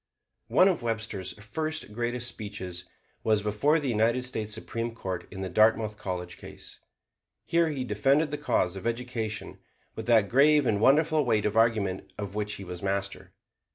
One of Webster's first greatest speeches was before the United States Supreme Court in the Dartmouth College case. Here he defended the cause of education with that grave and wonderful weight of argument of which he was master.